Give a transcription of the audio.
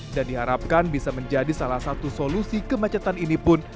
dan diharapkan bisa menjadi salah satu solusi kemacetan ini pun